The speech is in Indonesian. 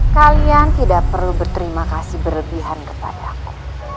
kalian tidak perlu berterima kasih berlebihan kepada aku